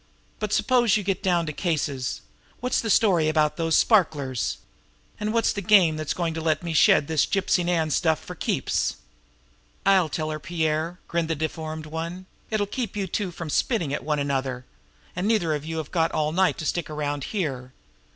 But suppose you get down to cases. What's the story about those sparklers? And what's the game that's going to let me shed this Gypsy Nan stuff for keeps?" "I'll tell her, Pierre," grinned the deformed one. "It'll keep you two from spitting at one another; and neither of you have got all night to stick around here."